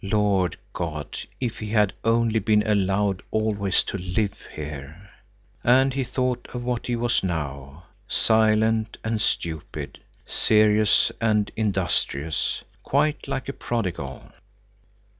Lord God, if he had only been allowed always to live here! And he thought of what he was now—silent and stupid, serious and industrious—quite like a prodigal.